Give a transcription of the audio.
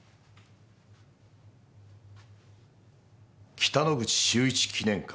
北之口秀一記念館。